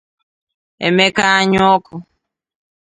Emeka Anyaọkụ